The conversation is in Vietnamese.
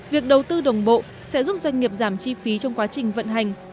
việc đầu tư đồng bộ sẽ giúp doanh nghiệp giảm chi phí trong quá trình vận hành